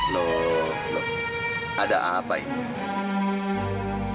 loh loh loh ada apa ini